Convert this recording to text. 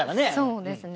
そうですね。